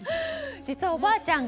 実はおばあちゃん